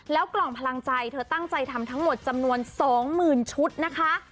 กล่องพลังใจเธอตั้งใจทำทั้งหมดจำนวน๒๐๐๐ชุดนะคะ